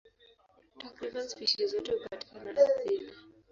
Takriban spishi zote hupatikana ardhini.